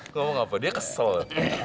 ngomong apa dia kesel